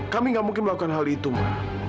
kami nggak mungkin melakukan hal itu ma